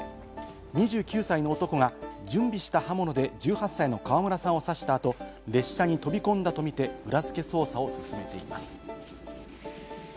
２９歳の男が準備した刃物で１８歳の川村さんを刺した後、列車に飛び込んだとみて裏付け捜査を進めています。